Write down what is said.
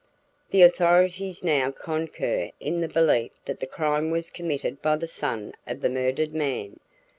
The authorities now concur in the belief that the crime was committed by the son of the murdered man.